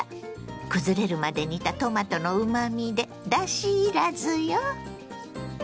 くずれるまで煮たトマトのうまみでだしいらずよ。